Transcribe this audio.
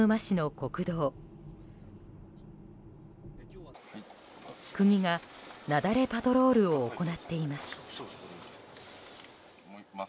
国が雪崩パトロールを行っています。